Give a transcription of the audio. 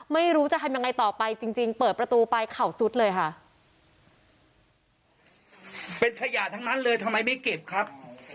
ไม่รู้จะทำยังไงต่อไปจริงจริงเปิดประตูไปเข่าซุดเลยค่ะเป็นขยะทั้งนั้นเลยทำไมไม่เก็บครับ